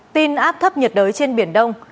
tin áp thấp nhiệt đới trên biển đông